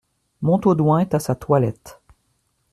Montaudoin est à sa toilette.